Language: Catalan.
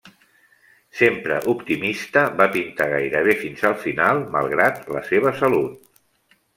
Sempre optimista, va pintar gairebé fins al final, malgrat la seva salut.